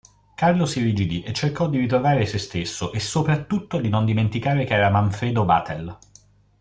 Carlo s'irrigidì e cercò di ritrovare sé stesso e soprattutto di non dimenticare che era Manfredo Vatel.